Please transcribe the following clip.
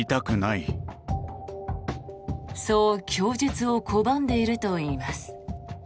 そう供述を拒んでいるといいます。